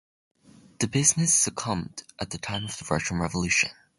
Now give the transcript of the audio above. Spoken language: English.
The business succumbed at the time of the Russian Revolution.